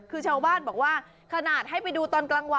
คือชาวบ้านบอกว่าขนาดให้ไปดูตอนกลางวัน